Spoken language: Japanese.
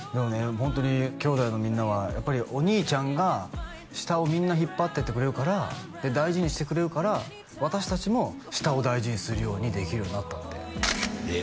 ホントに兄弟のみんなはお兄ちゃんが下をみんな引っ張ってってくれるからで大事にしてくれるから私達も下を大事にするようにできるようになったってええ